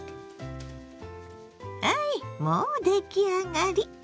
はいもう出来上がり！